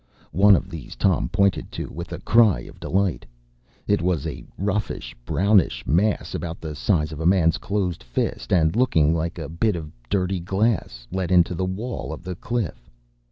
One of these Tom pointed to with a cry of delight. It was a roughish, brownish mass about the size of a man’s closed fist, and looking like a bit of dirty glass let into the wall of the cliff.